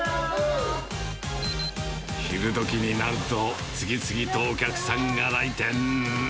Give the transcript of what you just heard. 昼どきになると、次々とお客さんが来店。